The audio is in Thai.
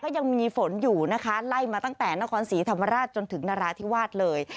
ยังมีฝนอยู่นะคะไล่มาตั้งแต่นครศรีธรรมราชจนถึงนราธิวาสเลย